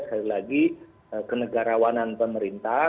sekali lagi kenegarawanan pemerintah